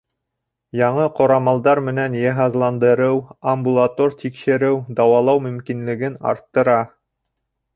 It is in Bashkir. Яңы ҡорамалдар менән йыһазландырыу амбулатор тикшереү, дауалау мөмкинлеген арттыра.